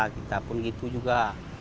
kita pun begitu juga